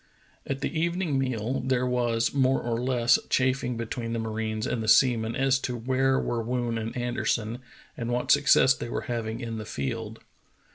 At the evening meal there was more or less chaffing between the marines and the seamen as to where were Woon and Anderson and what success they were hav ing in the field.